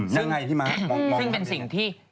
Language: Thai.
ยังไงพี่ม้ามองกันอย่างไร